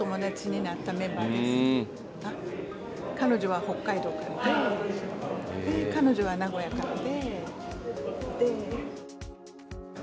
彼女は北海道からでで彼女は名古屋からで。